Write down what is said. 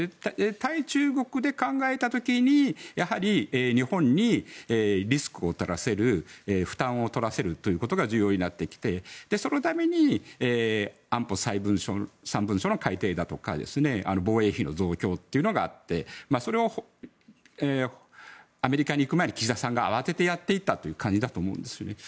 対中国で考えた時にやはり日本にリスクを取らせる負担を取らせるということが重要になってきてそのために安保３文書の改定だとか防衛費の増強というのがあってそれをアメリカに行く前に岸田さんが慌ててやっていったという感じだと思います。